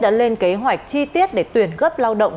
đã lên kế hoạch chi tiết để tuyển gấp lao động